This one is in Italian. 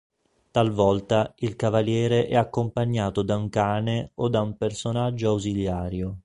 Talvolta, il cavaliere è accompagnato da un cane o da un personaggio ausiliario.